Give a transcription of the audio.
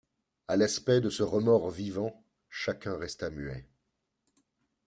À l’aspect de ce remords vivant chacun resta muet.